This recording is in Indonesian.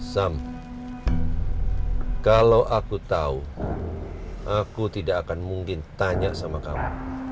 sam kalau aku tahu aku tidak akan mungkin tanya sama kamu